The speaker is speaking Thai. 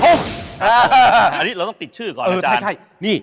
อันนี้เราต้องติดชื่อก่อนนะอาจารย์